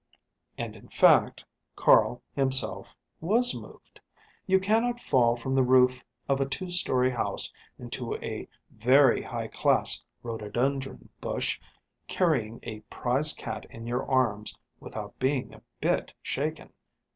And in fact Carl himself was moved. You cannot fall from the roof of a two story house into a very high class rhododendron bush, carrying a prize cat in your arms, without being a bit shaken.